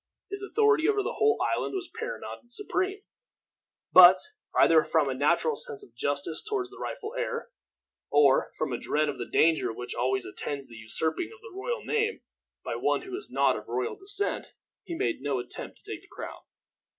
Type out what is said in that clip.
His authority over the whole island was paramount and supreme. But, either from a natural sense of justice toward the rightful heir, or from a dread of the danger which always attends the usurping of the royal name by one who is not of royal descent, he made no attempt to take the crown.